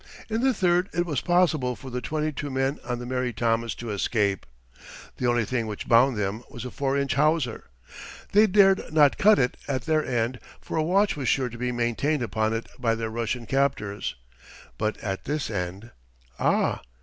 In the third, it was possible for the twenty two men on the Mary Thomas to escape. The only thing which bound them was a four inch hawser. They dared not cut it at their end, for a watch was sure to be maintained upon it by their Russian captors; but at this end, ah!